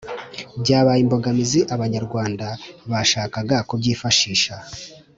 byabaye imbogamizi Abanyarwanda bashakaga kubyifashisha.